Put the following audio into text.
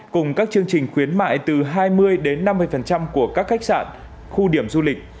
cùng các chương trình khuyến mại từ hai mươi đến năm mươi của các khách sạn khu điểm du lịch